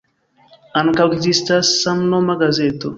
Ankaŭ ekzistas samnoma gazeto.